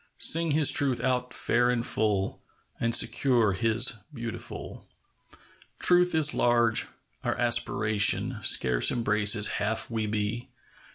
Sing His Truth out fair and full, And secure His beautiful. Truth is large. Our aspiration Scarce embraces half we be.